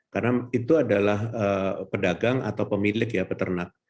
karena itu adalah pedagang atau pemilik ya peternak